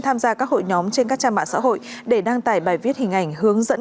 tham gia các hội nhóm trên các trang mạng xã hội để đăng tải bài viết hình ảnh hướng dẫn